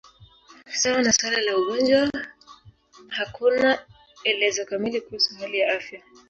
Sawa na suala la ugonjwa, hakuna elezo kamili kuhusu hali ya afya.